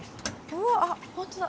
うわあ本当だ。